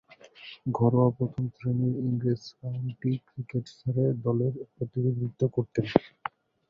ঘরোয়া প্রথম-শ্রেণীর ইংরেজ কাউন্টি ক্রিকেটে সারে দলের প্রতিনিধিত্ব করতেন।